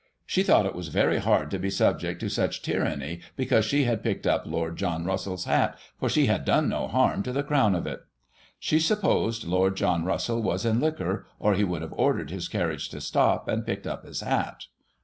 She thought it was very hard to be subject to such tyranny because she had picked up Lord John Russell's hat, for she had done no harm to the crown of it. She supposed Lord John Russell was in liquor, or he would have ordered his carriage to stop, and picked up his hat.